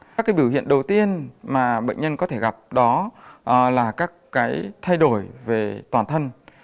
các biểu hiện đầu tiên mà bệnh nhân có thể gặp đó là các thay đổi về toàn thân